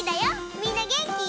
みんなげんき？